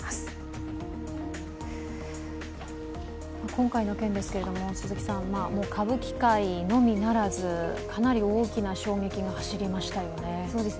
今回の件ですけれども、歌舞伎界のみならず、かなり大きな衝撃が走りましたよね。